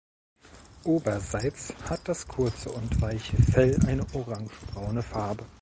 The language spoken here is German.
Oberseits hat das kurze und weiche Fell eine orangebraune Farbe.